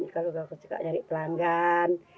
kalau saya suka nyari pelanggan